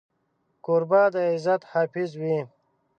کوربه د عزت حافظ وي.